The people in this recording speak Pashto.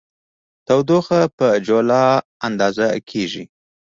تودوخه په جولا اندازه کېږي.